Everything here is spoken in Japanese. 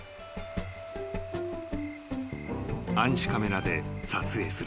［暗視カメラで撮影する］